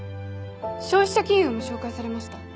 消費者金融も紹介されました。